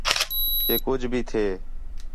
کہ کُج بھی تھے